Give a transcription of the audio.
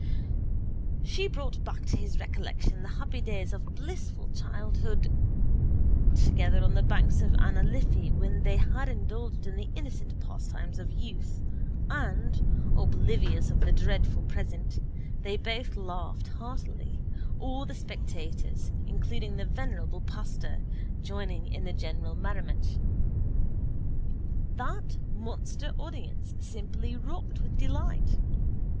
She brought back to his recollection the happy days of blissful childhood together on the banks of Anna Liffey when they had indulged in the innocent pastimes of the young and, oblivious of the dreadful present, they both laughed heartily, all the spectators, including the venerable pastor, joining in the general merriment. That monster audience simply rocked with delight.